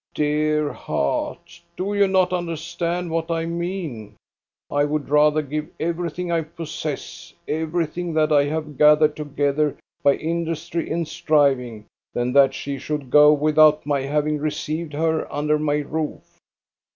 " Dear heart ! Do you not understand what I mean? I would rather give everything I possess, everything that I have gathered together by industry and striving, than that she should go without my having received her under my roof.